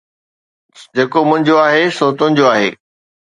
جيڪو منهنجو آهي سو تنهنجو آهي